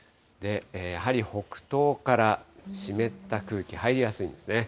やはり北東から湿った空気入りやすいんですね。